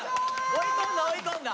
追い込んだ追い込んだ！